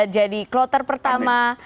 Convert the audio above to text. jadi kloter pertama